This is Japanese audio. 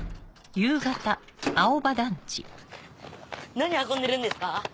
何運んでるんですか？